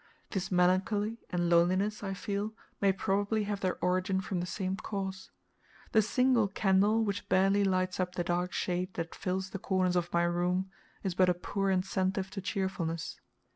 This melancholy and loneliness I feel, may probably have their origin from the same cause. The single candle, which barely lights up the dark shade that fills the corners of my room, is but a poor incentive to cheerfulness.